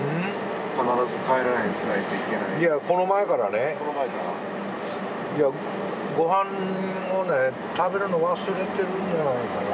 いやこの前からねご飯を食べるの忘れてるんじゃないかな？